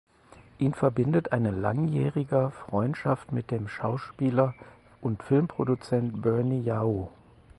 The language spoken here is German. Ihn verbindet eine langjähriger Freundschaft mit dem Schauspieler und Filmproduzenten Bernie Yao.